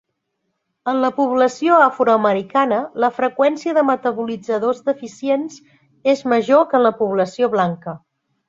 En la població afroamericana, la freqüència de metabolitzadors deficients és major que en la població blanca.